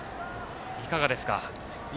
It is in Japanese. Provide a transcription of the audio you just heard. いかがですか？